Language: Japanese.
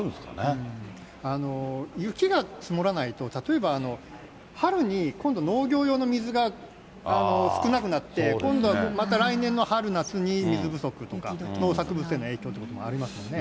雪が積もらないと、例えば春に今度、農業用の水が少なくなって、今度はまた来年の春夏に水不足とか、農作物への影響ということもありますもんね。